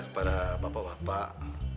kepada bapak bapak